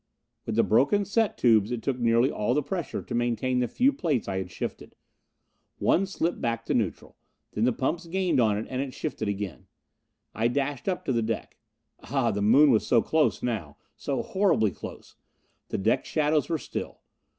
With the broken set tubes it took nearly all the pressure to maintain the few plates I had shifted. One slipped back to neutral. Then the pumps gained on it, and it shifted again. I dashed up to the deck. Ah, the Moon was so close now! So horribly close! The deck shadows were still.